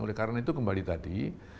oleh karena itu kembali tadi